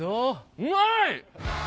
うまい！